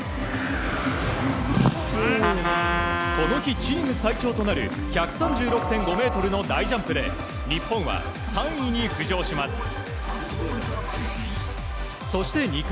この日チーム最長となる１３６．５ｍの大ジャンプで日本は３位に浮上します。